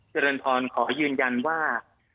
เจริญพรขอยืนยันว่า